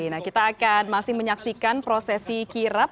nah kita akan masih menyaksikan prosesi kirap